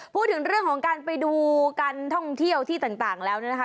พูดถึงเรื่องของการไปดูการท่องเที่ยวที่ต่างแล้วเนี่ยนะคะ